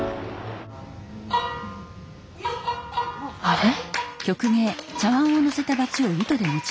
あれ？